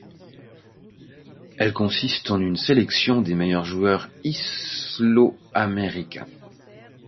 Elle consiste en une sélection des meilleurs joueurs islo-américains.